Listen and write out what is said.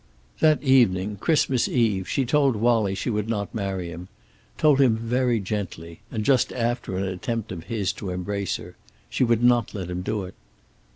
That evening, Christmas eve, she told Wallie she would not marry him. Told him very gently, and just after an attempt of his to embrace her. She would not let him do it.